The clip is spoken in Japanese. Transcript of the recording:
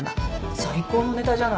最高のねたじゃない？